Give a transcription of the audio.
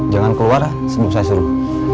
jangan keluar lah sebelum saya suruh